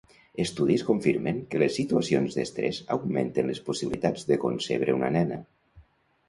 Estudis confirmen que les situacions d'estrès augmenten les possibilitats de concebre una nena.